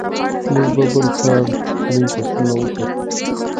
موږ به بل کال نوي فصلونه وکرو.